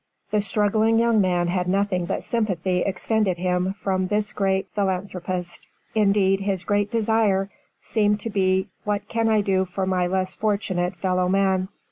The struggling young man had nothing but sympathy extended him from this great philanthropist; indeed, his great desire seemed to be, what can I do for my less fortunate fellow man.